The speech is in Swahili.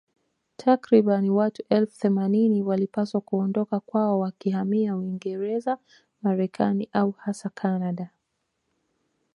Takriban watu elfu themanini walipaswa kuondoka kwao wakihamia Uingerez Marekani au hasa Kanada